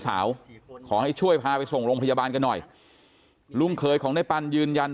ขอให้ช่วยพาไปส่งโรงพยาบาลกันหน่อยลุงเคยของในปันยืนยัน